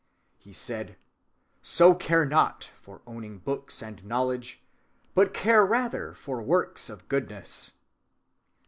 "So care not," he said, "for owning books and knowledge, but care rather for works of goodness."